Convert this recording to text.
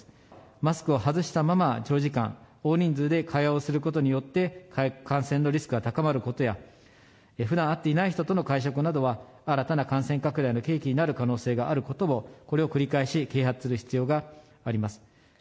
マスクを外したまま、長時間、大人数で会話をすることによって、感染のリスクが高まることや、ふだん会っていない人の会食などは新たな感染拡大の契機になる可能性があることを、これを繰り返し啓発する必要があります。